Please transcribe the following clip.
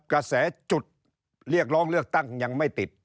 กระแสจุดเรียกร้องเลือกตั้งยังไม่ติด